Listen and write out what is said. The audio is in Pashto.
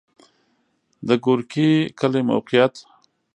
د ګورکي کلی موقعیت